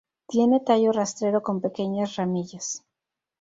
Tiene tallo rastrero con pequeñas ramillas.